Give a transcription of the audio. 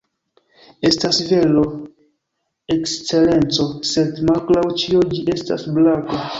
“Estas vero, Ekscelenco; sed, malgraŭ ĉio, ĝi estas brako.”